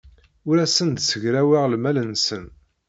Ur asen-d-ssegraweɣ lmal-nsen.